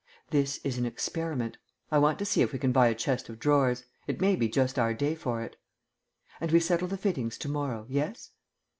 "This is an experiment. I want to see if we can buy a chest of drawers. It may just be our day for it." "And we settle the fittings to morrow. Yes?"